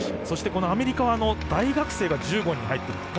そして、アメリカは大学生が１５人入っている。